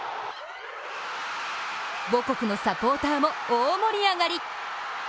母国のサポーターも大盛り上がり。